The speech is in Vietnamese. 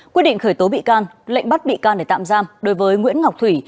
quyết định khởi tố bị can lệnh bắt bị can để tạm giam đối với nguyễn ngọc thủy